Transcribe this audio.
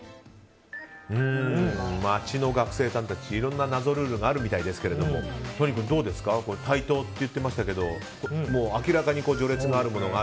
街の学生さんたちいろんな謎ルールがあるみたいですけれども都仁君、対等と言っていましたけど明らかに序列のあるものが。